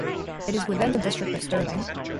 It is within the district of Stirling.